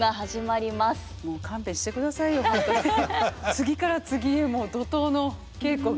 次から次へもう怒涛の稽古が。